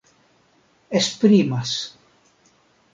esprimas